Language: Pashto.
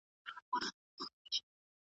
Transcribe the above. دا بیرغ نن ورځ یوازي له منظور پښتین سره دی .